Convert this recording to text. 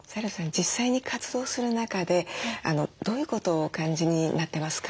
実際に活動する中でどういうことをお感じになってますか？